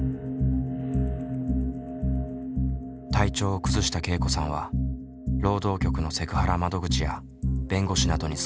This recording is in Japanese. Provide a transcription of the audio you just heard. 体調を崩したけいこさんは労働局のセクハラ窓口や弁護士などに相談。